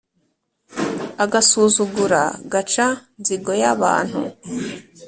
agasuzugura gaca nzigo yabantu